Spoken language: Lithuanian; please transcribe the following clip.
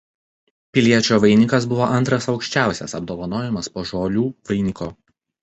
Piliečio vainikas buvo antras aukščiausias apdovanojimas po žolių vainiko.